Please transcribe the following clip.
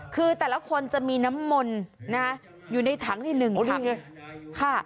คือแต่ละคนจะมีน้ำมนต์อยู่ในถังที่๑ทีค่ะ